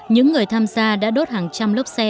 những người tham gia đã đốt hàng trăm lốc xe